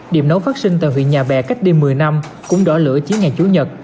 điểm nấu phát sinh tại huyện nhà bè cách đây một mươi năm cũng đỏ lửa chỉ ngày chủ nhật